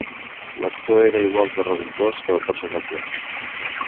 L'actor era igual de revoltós que el personatge.